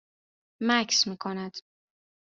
مکث میکند